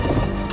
lo mau kemana